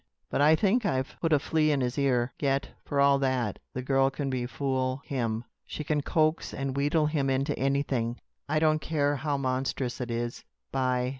But I think I've put a flea in his ear. Yet, for all that, the girl can befool him. She can coax and wheedle him into anything, I don't care how monstrous it is. "By